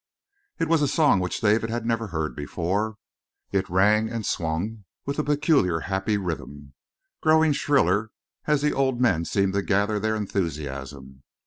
It was a song which David had never heard before. It rang and swung with a peculiarly happy rhythm, growing shriller as the old men seemed to gather their enthusiasm.